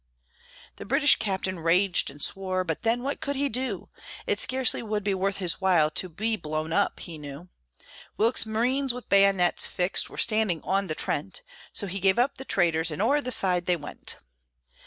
The British captain raged and swore; but then what could he do? It scarcely would be worth his while to be blown up, he knew; Wilkes's marines, with bayonets fixed, were standing on the Trent, So he gave up the traitors, and o'er the side they went.